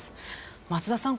松田さん